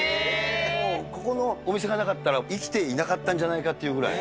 ここのお店がなかったら、生きていなかったんじゃないかっていうぐらい。